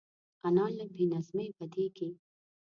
انا له بې نظمۍ بدېږي